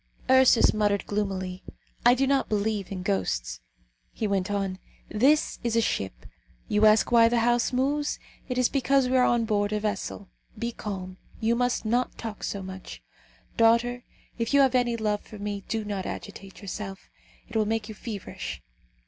Ursus muttered gloomily: "I do not believe in ghosts." He went on, "This is a ship. You ask why the house moves; it is because we are on board a vessel. Be calm; you must not talk so much. Daughter, if you have any love for me, do not agitate yourself, it will make you feverish.